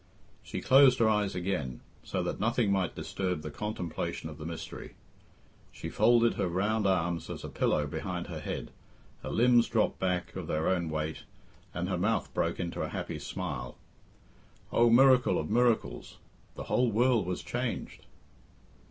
She closed her eyes again, so that nothing might disturb the contemplation of the mystery. She folded her round arms as a pillow behind her head, her limbs dropped back of their own weight, and her mouth broke into a happy smile. Oh, miracle of miracles! The whole world was changed.